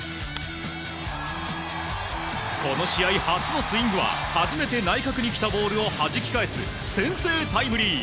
この試合初のスイングは初めて内角に来たボールをはじき返す先制タイムリー。